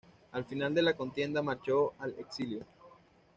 Al final de la contienda marchó al exilio.